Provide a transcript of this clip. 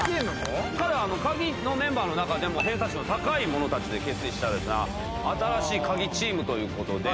『カギ』のメンバーの中でも偏差値の高い者たちで結成された新しいカギチームということで。